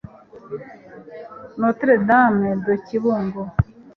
Notre Dame de Kibungo